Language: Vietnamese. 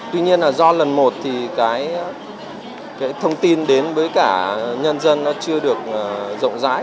tuy nhiên là do lần một thì cái thông tin đến với cả nhân dân nó chưa được rộng rãi